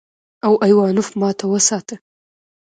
او ايوانوف ماته وساته.